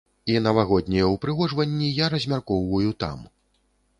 І навагоднія ўпрыгожванні я размяркоўваю там.